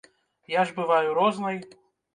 Я ж бываю рознай.